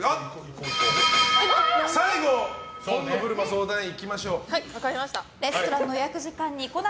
最後、紺野ぶるま相談員いきましょう。